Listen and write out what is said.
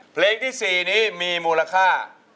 เพลงที่๔นี้มีมูลค่า